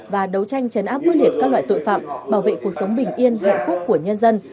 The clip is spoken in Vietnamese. và đấu tranh chấn áp quyết liệt các loại tội phạm bảo vệ cuộc sống bình yên hạnh phúc của nhân dân